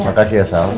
makasih ya sahab